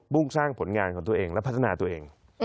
สร้างผลงานของตัวเองและพัฒนาตัวเอง